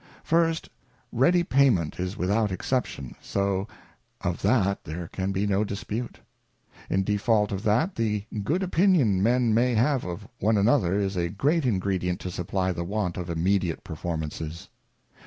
First, Ready Payment is without exception, so of that there can be no dispute ; in default of that, the good Opinion Men may have of one another is a great ingredient to supply the want of immediate Performances.